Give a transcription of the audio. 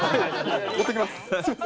持ってきます。